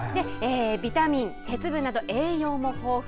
ビタミン、鉄分など栄養も豊富。